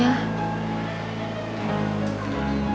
ami itu siapa